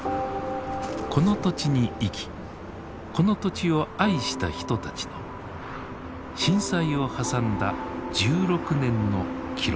この土地に生きこの土地を愛した人たちの震災を挟んだ１６年の記録。